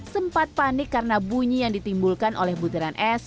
sempat panik karena bunyi yang ditimbulkan oleh butiran es